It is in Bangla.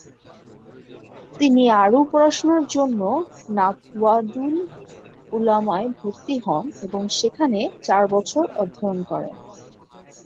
তিনি আরও পড়াশুনার জন্য নাদওয়াতুল উলামায় ভর্তি হন এবং সেখানে চার বছর অধ্যয়ন করেন।